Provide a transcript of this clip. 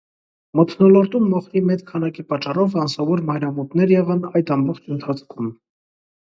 Մթնոլորտում մոխրի մեծ քանակի պատճառով անսովոր մայրամուտներ եղան այդ ամբողջ ընթացքում։